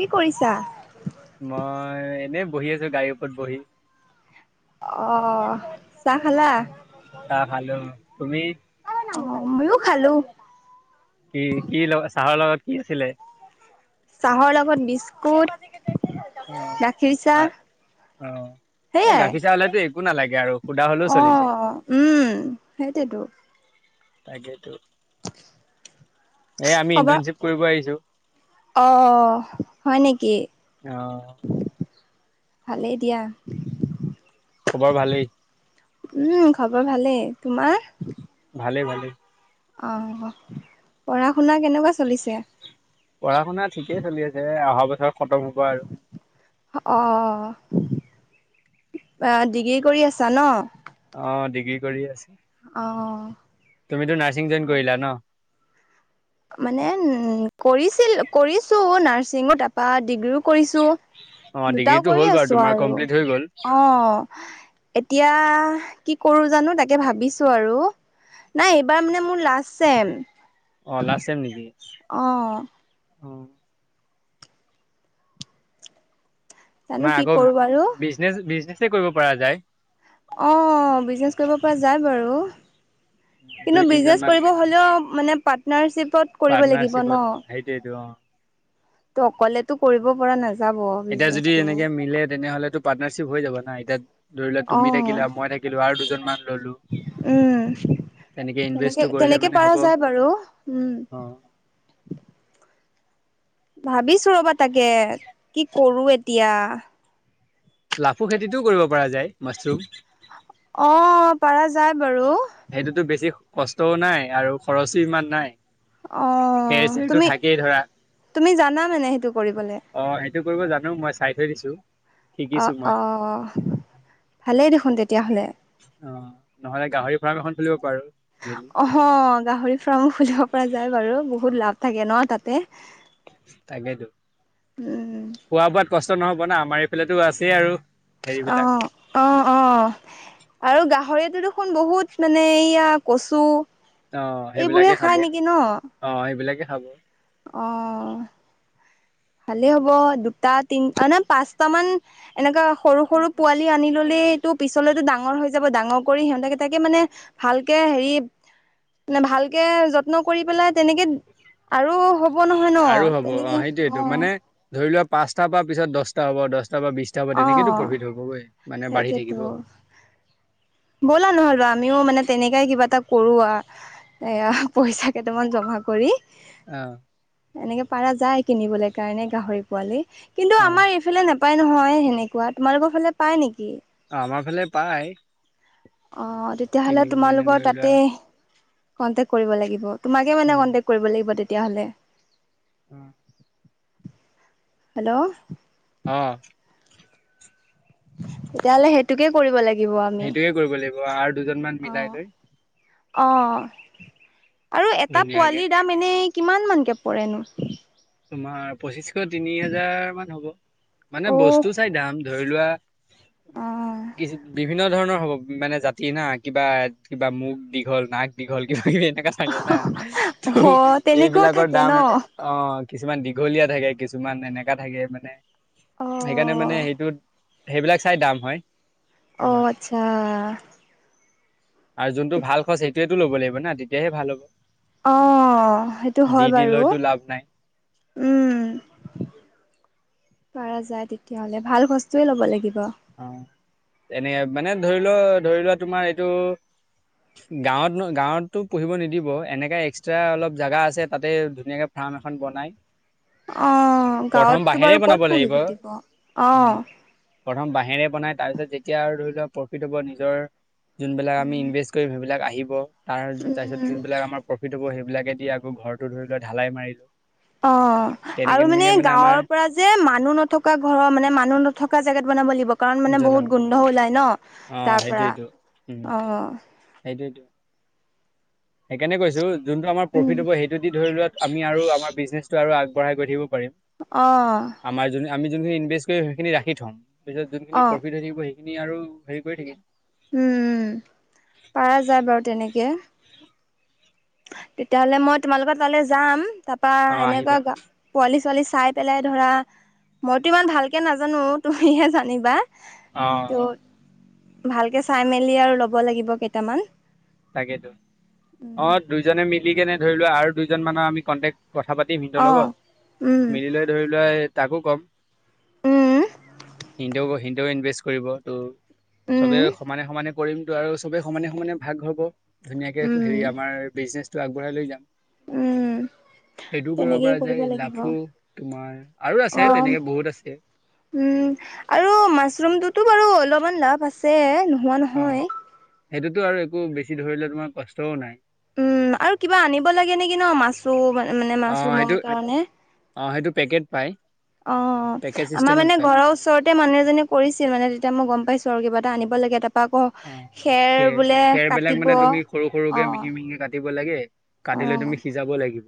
কি কৰিছা? মই এনেই বহি আছো গাড়ীৰ ওপৰত বহি। অহ চাহ খালা? চাহ খালো, তুমি? অ ময়ো খালো। কি কি লগ চাহৰ লগত কি আছিলে? চাহৰ লগত বিস্কুট অ গাখীৰ চাহ। অ এই সেইয়াই। গাখীৰ চাহ হলেতো একো নালাগে আৰু সুদা হলেও চলি যায়। অ', উম সেইটোৱে তো। তাকেইতো। এই আমি খবৰ ইণ্টাৰ্ণশ্বিপ কৰিব আহিছো। অ হয় নেকি? অ ভালেই দিয়া। খবৰ ভালেই? উম খবৰ ভালেই, তোমাৰ? ভালেই ভালেই। অঁ পঢ়াশুনা কেনেকুৱা চলিছে? পঢ়াশুনা ঠিকেই চলি আছে এ আহা বছৰ খতম হ'ব আৰু। অ আহ ডিগ্ৰী কৰি আছা ন? অ ডিগ্ৰী কৰিয়ে আছে। অ। তুমিতো নাৰ্চিং জইন ভাল দেই। কৰিলা ন? মানে উন কৰিছিল কৰিছো নাৰ্ছিঙো তাৰপা ডিগ্ৰীও কৰিছো, অ দুটাও ডিগ্ৰীটো কৰি হ'ল বাৰু আছো তোমাৰ আৰু, কমপ্লিট হৈ গ'ল অ। এতিয়া কি কৰো জানো তাকে ভাবিছো আৰু। নাই, এইবাৰ মানে মোৰ লাষ্ট ছেম। অ', লাষ্ট চেম নেকি? অ'। অ। জানো নাই কি আকৌ কৰো বাৰু বিজনেচ বিজনেছে কৰিব পৰা যায়। অ', বিজনেছ কৰিব পৰা যায় বাৰু। দুই কিন্তু, তিনজন বিজনেচ মান কৰিব মিলি হ'লেও মানে পাৰ্টনাৰশ্বিপত কৰিব লাগিব ন? সেইটো অ'। ত' অকলেতো কৰিব পৰা নায এতিয়া যদি এনেকে মিলে, তেনেহ'লেতো পাৰ্টনাৰশ্বিপ হৈ যাব না। এতিয়া ধৰি লোৱা অ তুমি থাকিলা, মই থাকিলোঁ আৰু দুজন মান ল'লো। উম তেনেকে তেনেকে ইনভেষ্টও কৰিলে তেনেকে মানে পৰা হ'ব। যায় বাৰু উম অ'। ভাবিছো ৰ'বা তাকে, কি কৰোঁ এতিয়া? লাফু খেতিটোও কৰিব পৰা যায়, মাছৰুম। অ', পাৰা যায় বাৰু। সেইটোতো বেছি কষ্টও নাই আৰু খৰচো ইমান নাই। খেৰ অ'। চেৰটো তুমি, থাকেই ধৰা তুমি জানা মানে সেইটো কৰিবলে? অ', সেইটো কৰিব জানো মই। চাই থৈ দিছোঁ। অ', অ'। ভালেই দেখোন তেতিয়াহ'লে। অ', নহ'লে গাহৰি ফাৰ্ম এখন খুলিব পাৰোঁ মিলি। অ হ, গাহৰি ফাৰ্মো খুলিব পৰা যায় বাৰু বহুত লাভ থাকে ন তাতে? তাকেইেতো। উম, খোৱা-বোৱাত কষ্ট নহ'ব না আমাৰ এইফালেতো আছেই আৰু। হেৰিবিলাক অ', অ', অ'। আৰু গাহৰিটো দেখোন বহুত মানে এয়া কচু অ এইবোৰহে সেইবিলাকে খাব খাই নেকি ন? অ', এইবিলাকে খাব। অ', ভালেই হ'ব। দুটা তিন অ নে পাঁচটা মান এনেকা সৰু সৰু পোৱাল লী আনি ল'লেইতো পিছলেতো ডাঙৰ হৈ যাব ডাঙৰ কৰি সিহঁতাকেতাকে মানে ভালকে হেৰি, নে ভালকে যত্ন কৰি পেলাই তেনেকে আৰু হ'ব নহয় ন? আৰু হ'ব অ তেনেকে সেইটোয়েটো অ'। মানে ধৰি লোৱা পাঁচটাৰ পৰা পিছত দচটা হ'ব, দচটাৰ পৰা বিছটা হ'ব। তেনেকেইটো প্ৰফিট হ'বগৈ। মানে বাঢ়ি থাকিব সেইটোৱেতো। ব'লা নহ'লবা আমিও মানে তেনেকাই কিবা এটা কৰো আ। এয়া পইচা কেইটামান জমা কৰি। অ'। এনেকে পাৰা যায় কিনিবলে কাৰণে গাহৰি পোৱালী। কিন্ অ'। ইফেলে নাপায় নহয় সেনেকোৱা। তোমালোকৰ ফালে পাই নেকি? আমাৰ ফালে পায়। অ', তেতিয়াহ'লে মানে তোমালোকৰ ধৰি লোৱা তাতেই, কন্টেক কৰিব লাগিব। তোমাকেই মানে উম কন্টেক কৰিব লাগিব তেতিয়াহ'লে। উম। হেল্ল'। অ'। তেতিয়াহ'লে সেইটোকে কৰিব লাগিব আমি। সেইটোয়ে কৰিব লাগিব আৰু দুজনমান মিলাই লৈ অঁ অঁ আৰু এটা ধুনীয়াকে পোৱালিৰ দাম এনেই কিমান মানকে পৰেনো? তোমাৰ পঁচিছশ তিনিহাজাৰ মান হ'ব। মানে অ' বস্তু চাই দাম, ধৰি লোৱা, অ' কিছূ বিভিন্ন ধৰণৰ হ'ব মানে জাত তিনা কিবা, কিবা মুখ দীঘল, নাক দীঘল কিবা কিবি এনেকা থাকে না। ত' অ' তেনেকুৱাও এইবিলাকৰ থাকে ন? দাম অঁ কিছুমান দীঘলীয়া থাকে, কিছুমান এনেকা থাকে মানে। সেইকাৰণে মানে অ' সেইটোত, সেইবিলাক চাই দাম হয়। অ' তোমাৰ আচ্ছা। আৰু যোনটো ভাল সঁচ সেইটোয়েটো ল'ব লাগিব না, তেতিয়াহে ভাল হ'ব। অ' সেইটো যি হয় তি বাৰু লৈটো লাভ নাই। উম, পৰা যায় তেতিয়া হ'লে ভাল বস্তুয়েই ল'ব লাগিব। অঁ এনেকে মানে ধৰি লোৱা ধৰি লোৱা তোমাৰ এইটো, গাওঁত নো গাওঁত তো পোহিব নিদিব, এনেকা এক্সট্ৰা অলপ জেগা আছে তাতে ধুনীয়াকে ফাৰ্ম এখন বনাই, অঁ প্ৰথম গাঁৱত তো বাঁহেৰে বাৰু, বনাব ক'ত লাগিব পুহিব দিব, অ অঁহ। প্ৰথম বাঁহেৰে বনাই, তাৰপিছত যেতিয়া আৰু ধৰি লোৱা প্ৰফিট হ'ব নিজৰ, যোনবিলাক আমি ইনভেষ্ট কৰিম, সেইবিলাক আহিব। তাৰ তাৰপিছত উম যোনবিলাক আমাৰ, প্ৰফিট হ'ব সেইবিলাকে দি আকৌ ঘৰটো ধৰি লোৱা ঢালাই মাৰিলো, অঁ তেনেকে আৰু মানে তেনেকে আমাৰ গাঁৱৰ পৰা, যে মানুহ নথকা ঘৰৰ মানে মানুহ নথকা জেগাত বনাব লাগিব। কাৰণ মানে জনাব বহুত গোন্ধ ওলায় ন'। অ তাৰ পৰা অঁহ, সেইটোয়েটো। সেইকাৰণে কৈছো, যোনটো আমাৰ উম প্ৰফিত হ'ব সেইটো দি ধৰি লোৱা, আমি আৰু আমাৰ বিজনেছটো আৰু আগবঢ়াই গৈ থাকিব পাৰিম। অঁ আমাৰ যোনখিনি আমি যোনখিনি ইনভেষ্ট কৰিম সেইখিনি ৰাখি থ'ম। পিছত যোনখিনি অ' প্ৰফিট হৈ থাকিব সেই খিনি আৰু হেৰি কৰি থাকিম। উম উম পাৰা যায় বাৰু তেনেকে। তেতিয়াহ'লে মই তোমালোকৰ তালে যাম। তাৰপৰা অ আহিবা এনেকুৱা, পোৱালি ছোৱালী চাই পেলাই ধৰা মইতো ইমান ভালকে নাজানো, তুমিহে জানিবা। অ ত'হ ভালকে চাই মেলি আৰু ল'ব লাগিব কেইটামান। তাকেইতো অঁ দুজনে মিলি কেনে ধৰিলোৱা আৰু দুইজন মানৰ আমি কণ্টেক্ট কথা পাতিম সিতৰ অ' উম লগত মিলি লৈ ধৰি লোৱা এ তাকো কম। উম সিনতৌ সিনতেওঁ ইনভেষ্ট কৰিব টো, চ'বে উম সমানে সমানে কৰিম তো আৰু চবে সমানে সমানে ভাগ হ'ব। ধুনীয়াকে উম হেৰি আমাৰ বিজনেচটো আগবঢ়াই লৈ যাম। উম। সেইটোও কৰিব পৰা তেনেকেই যায়, লাগিব লাভ ও তোমাৰ আৰু অ আছে তেনেকে বহুত আছে। আৰু মাছৰুমটোত' বাৰু অলপমান লাভ আছে, নোহোৱা অ নহয়। সেইটোতো আৰু একো বেছি ধৰি লোৱা তোমাৰ কষ্টও নাই। উম, আৰু কিবা আনিব লাগে নেকি ন'? মাছৰু মানে মাছৰুমৰ কাৰণে? অঁ সেইটো পেকেট পাই। অঁ আমাৰ মানে ঘৰৰ ওচৰত, তে মানুহ এজনীয়ে কৰিছিল মানে তেতিয়া মই গম পাইছো আৰু কিবা এটা আনিব লাগে তা ৰপা আকৌ অ খেৰ বোলে খেৰবিলাক কাটিব, মানে তুমি সৰু সৰুকে অ। মিহি মিহিকে কাটিব লাগে কাটি লৈ তুমি অ সিজাব লাগিব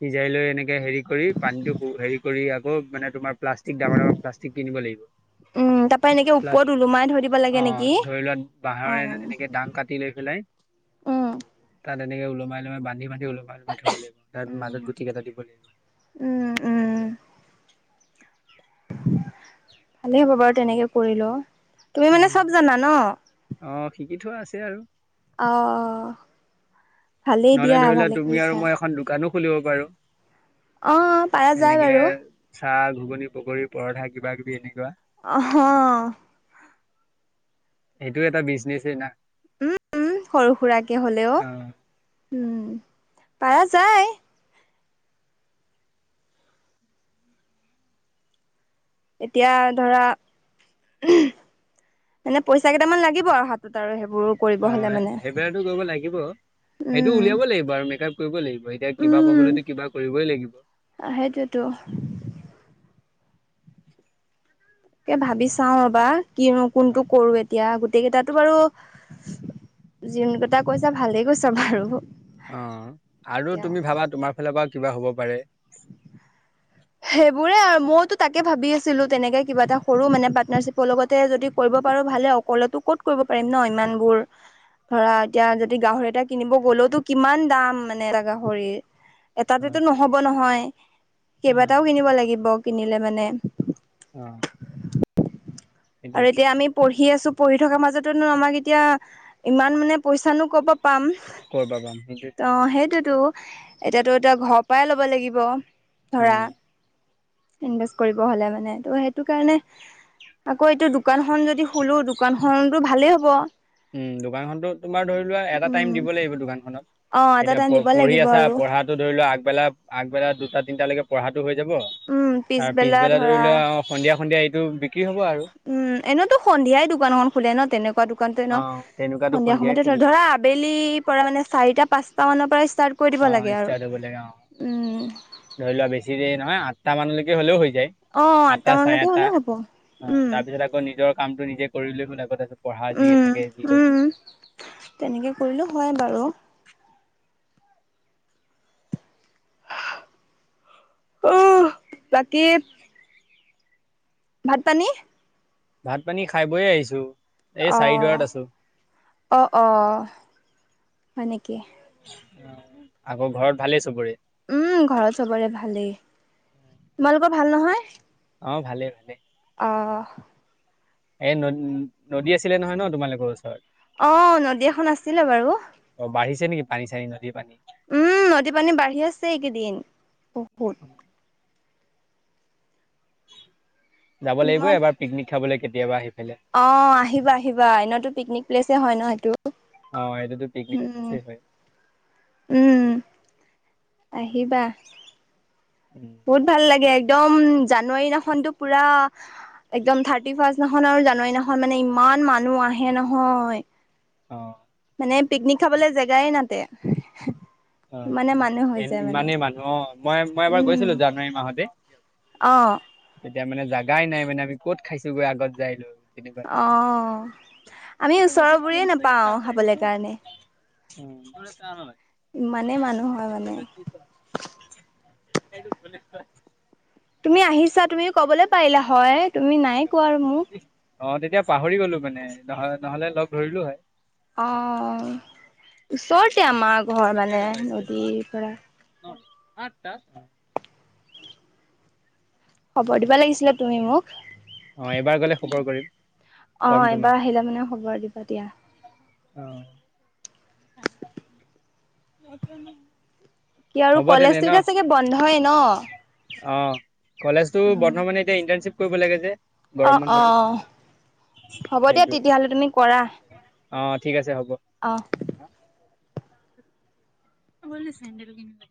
সিজাই লৈ এনে কে হেৰি কৰি পানীটো হেৰি কৰি আকৌ মানে তোমাৰ প্লাষ্টিক ডাঙৰ ডাঙৰ প্লাষ্টিক কিনিব লাগিব উম তাৰপৰা এনেকে ওপৰত প্লাষ্টিক ওলোমাই থৈ দিব লাগে অঁ নেকি ধৰি লোৱা অ বাঁহৰে এনেকে দাং কাটি লৈ পেলাই উম তাত এনেকে ওলমাই ওলমাই বান্ধি বান্ধি ওলমাই ওলমাই থৈ দিব লাগিব তাত উম মাজত গুটি কেইটা দিব লাগিব। উম উম। ভালেই হ'ব বাৰু তেনেকে কৰিলেও। তুমি মানে চব জানা ন? অঁ শিকি থোৱা আছে আৰু। অ অ নহলে ধৰি লোৱা তুমি আৰু কৰিছা মই এখন দোকানো খুলিব পাৰো অ পাৰা যায় এনেকে বাৰু চাহ ঘুগনি পকৰি পৰঠা কিবা কিবি এনেকুৱা। অঁ। সেইটো এটা বিজনেছেই না। উম উম সৰু সুৰাকে হলেও, অ উম পাৰা যায়। এতিয়া ধৰা মানে পইচা কেইটামান লাগিব আৰু হাতত আৰু সেইবোৰো অঁ সেইবিলাকটো কৰিব লাগিব। সেইটো উম উলিয়াব লাগিব আৰু মেকআপ কৰিব লাগিব এতিয়া কিবা পাবলৈতো কিবা কৰিবই লাগিব। অঁ সেইটোৱেতো। ভাবি চাও ৰবা কিনো কোনটো কৰো এতিয়া গোটেই কেইটাতো বাৰু যোন কেইটা কৈছা ভালেই কৈছা বাৰু। অঁ আৰু এতিয়া তুমি ভাবা তোমাৰ ফালৰ পৰা কিবা হ'ব পাৰে। সেইবোৰে আৰু মইতো তাকে ভাবি আছিলো তেনেকৈ কিবা এটা কৰোঁ মানে পাৰ্টনাৰশ্বিপৰ লগতে যদি কৰিব পাৰো ভালে অকলেটো ক'ত কৰিব পাৰিম ন ইমানবোৰ। ধৰা এতিয়া যদি গাহৰি এটা কিনিব গলেওটো কিমান দাম মানে এটা গাহৰিৰ। অ এটাতেতো নহব নহয় কেইবাটাও কিনিব লাগিব কিনিলে মানে। অঁ। আৰু এতিয়া আমি পঢ়ি আছো পঢ়ি থকাৰ মাজতোনো আমাক এতিয়া ইমান মানে পইচানো কৰপৰা পাম, ক'ৰ পৰা পাম সেইটোৱেটো অঁ সেইটোতো। এতিয়াতো এতিয়া ঘৰৰ পৰাই ল'ব লাগিব ধৰা। উম ইনভেষ্ট কৰিব হলে মানে ত' সেইটো কাৰণে আকৌ এইটো দোকানখন যদি খোলো দোকানখনতো ভালেই হ'ব। উম দোকানখনতো তোমাৰ ধৰি লোৱা এটা টাইম উম, দিব লাগিব দোকানখনত। অ' এটা এতিয়া টাইম প দিব পঢ়ি লাগিব আছা আৰু পঢ়াটো ধৰি লোৱা আগবেলা আগবেলা দুটা তিনিটালৈকে পঢ়াটো হৈ যাব। উম, তাৰ পিছবেলা ধৰি ধৰা লোৱা আহ সন্ধিয়া সন্ধিয়া এইটো বিক্ৰী হব আৰু। উম এনেতো সন্ধিয়াই দোকানখন খোলে ন তেনেকুৱা দোকানতো ন অ তেনেকুৱাতো সন্ধিয়া সন্ধিয়াই সময়তে খুলিব ধৰা আবেলিৰ পৰা মানে চাৰিটা পাঁচটামানৰ পৰাই ষ্টাৰ্ট কৰি দিব অ লাগে আৰু। [unintelligible] উম। ধৰি লোৱা বেছি দেৰি নহয় আঠট মানলৈকে হলেও হৈ যায়। অ' আঠটা চাৰে মানলৈকে আঠটা হ'লে হ'ব। উম উম, তাৰপিছত আকৌ নিজৰ কামটো নিজে কৰিলে চোন আগতেটো পঢ়া যিয়ে উম, থাকে যি নাই উম, তেনেকে কৰিলেও হয় বাৰু। অ' বাকী ভাত পানী? ভাত পানী খায় বৈয়ে আহিছো। এই অহ, চাৰিদুৱাৰত আছো অ অহ, হয় নেকি? আকৌ ঘৰত ভালেই চবৰে? উম ঘৰত চবৰে ভালেই, তোমালোকৰ ভাল নহয়? অঁ ভালে ভালে। অহ। এই ন নদী আছিলে নহয় ন তোমালোকৰ ওচৰত? অঁ নদী এখন আছিলে বাৰু। অ বাঢ়িছে নেকি পানী চানী নদীৰ পানী? উম নদী পানী বাঢ়ি আছে এইকেইদিন বহুত। যাব লাগিব এবাৰ পিকনিক খাবলৈ কেতিয়াবা সেইফালে। অঁ আহিবা আহিবা, এনেতো পিকনিক প্লেচে হয় ন সেইটো। অঁ এইটোতো পিকনিক উম প্লেচে হয়। উম। আহিবা। উম। বহুত ভাল লাগে একদম, জানুৱাৰী দিনাখনতো পোৰা একদম থাৰ্টি ফাৰ্ষ্ট দিনাখন আৰু জানুৱাৰীৰ দিনাখন মানে ইমান মানুহ আহে নহয়! অঁ। মানে পিকনিক খাবলে জেগাই নাতে। অ ইমানে মানুহ হৈ যায় মানে ইমানেই মানুহ অঁ, মই মই এবাৰ গৈছিলো জানুৱাৰী মাহতে। অঁ। তেতিয়া মানে জাগাই নাই মানে আমি ক'ত খাইছোগৈ আগত যায় লৈ। তেনেকুৱা নিচিনা। অঁ আমি ওচৰবোৰেই নেপাওঁ খাবলে কাৰণে। [unintelligible] ইমানে মানুহ হয় মানে। সেইটোক [unintelligible] তুমি আহিছা তুমি কবলৈ পাৰিলা হয়, তুমি নাই কোৱা আৰু মোক। অঁ তেতিয়া পাহৰি গলো মানে, নহ নহলে লগ ধৰিলো হয়। অঁ ওচৰতে আমাৰ ঘৰ মানে নদীৰ পৰা। আঠটা? খবৰ দিব লাগিছিলে তুমি মোক। অ এইবাৰ গলে খবৰ কৰিম অঁ কম এবাৰ আহিলে মানে খবৰ দিবা দিয়া। অঁ। সেইটোৱেহে। কি আৰু কলেজতো এতিয়া ছাগে বন্ধই ন? অঁ কলেজতো বন্ধ মানে এতিয়া ইণ্টাৰ্ণশ্বিপ কৰিব লাগে যে। গৰম অঁ বন্ধটোত অহ হ'ব দিয়া তেতিয়া হলে তুমি কৰা। অঁ ঠিক আছে হ'ব। অহ। তই বোলে চেণ্ডেল কিনিবি?